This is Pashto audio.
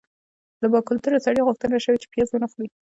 له باکلتوره سړي غوښتنه شوې چې پیاز ونه خوري.